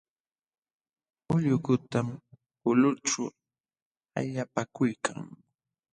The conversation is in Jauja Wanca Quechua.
Ullukutam ulqućhu allapakuykan.